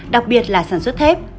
đặc biệt là sản xuất thép